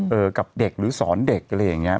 กับเด็กหรือสอนเด็กอะไรอย่างนี้